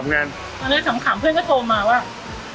ตอนนั้นขำเพื่อนก็โทรมาว่า